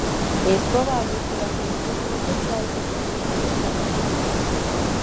Es probable que la presión no cesará en el futuro cercano.